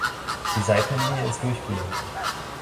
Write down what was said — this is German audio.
Die Seitenlinie ist durchgehend.